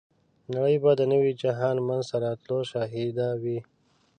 نړۍ به د نوي جهان منځته راتلو شاهده وي.